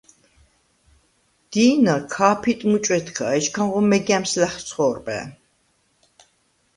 დი̄ნა ქა̄ფიტ მუჭვედქა, ეჩქანღო მეგა̈მს ლა̈ხცხო̄რპა̈ნ.